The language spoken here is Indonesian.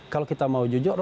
kalau kita mau jujur